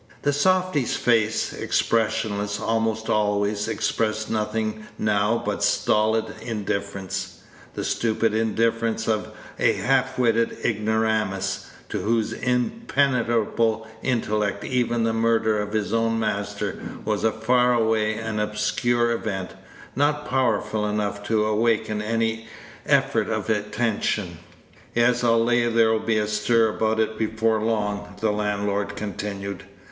The softy's face, expressionless almost always, expressed nothing now but stolid indifference; the stupid indifference of a half witted ignoramus, to whose impenetrable intellect even the murder of his own master was a far away and obscure event, not powerful enough to awaken any effort of attention. "Yes; I'll lay there'll be a stir about it before long," the landlord continued.